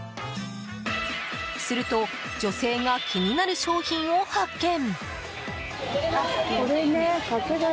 すると女性が気になる商品を発見。